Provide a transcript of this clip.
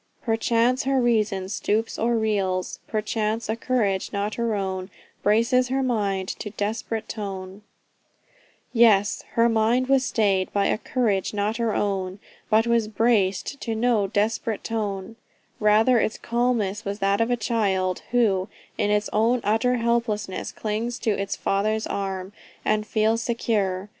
"Perchance her reason stoops, or reels; Perchance a courage not her own Braces her mind to desperate tone," Yes, her mind was stayed by a "courage not her own," but it was "braced" to no "desperate tone;" rather its calmness was that of a child, who, in its own utter helplessness, clings to its father's arm, and feels secure.